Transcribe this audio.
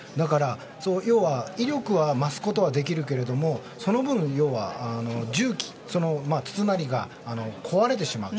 要は威力は増すことはできるけどその分、筒なりが壊れてしまう。